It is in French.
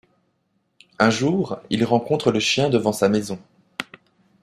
Un jour, il rencontre le chien devant sa maison.